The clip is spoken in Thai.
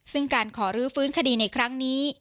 ซึ่งการขอรื้อฟื้นคดีในครั้งนี้